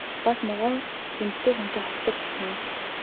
Бас могойг эмэгтэй хүнтэй хавьтдаг гэлцэнэ.